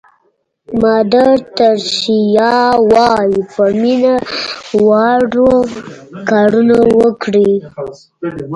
مادر تریسیا وایي په مینه واړه کارونه وکړئ.